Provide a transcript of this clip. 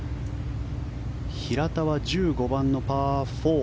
平田は１５番のパー４。